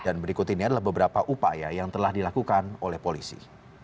dan berikut ini adalah beberapa upaya yang telah dilakukan oleh polisi